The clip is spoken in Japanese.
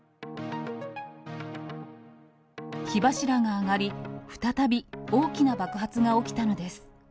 火柱が上がり、再び大きな爆発が起きたのです。